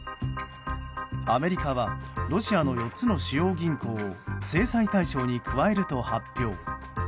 アメリカはロシアの４つの主要銀行を制裁対象に加えると発表。